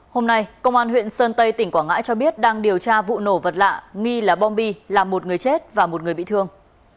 hôm nay công an huyện sơn tây tỉnh quảng ngãi cho biết đang điều tra vụ nổ vật lạ nghi là bom bi làm một người chết và một người bị thương